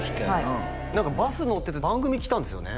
はい何かバス乗ってて番組来たんですよね？